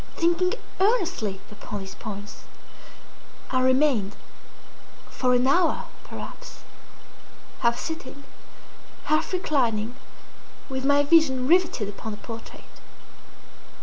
Thinking earnestly upon these points, I remained, for an hour perhaps, half sitting, half reclining, with my vision riveted upon the portrait.